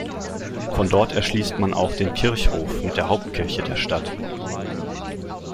Von dort erschließt man auch den Kirchhof mit der Hauptkirche der Stadt.